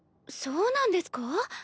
そうなんですか？